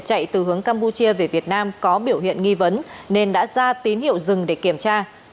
chạy từ hướng campuchia về việt nam có biểu hiện nghi vấn nên đã ra tín hiệu dừng để kiểm tra